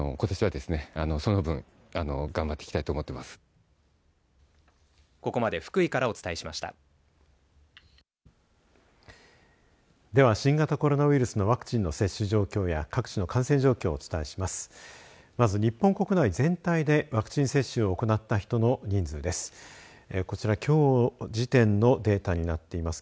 では、新型コロナウイルスのワクチンの接種状況や各地の感染状況をお伝えします。